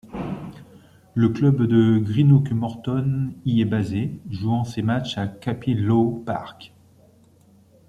Le club de Greenock Morton y est basé, jouant ses matches au Cappielow Park.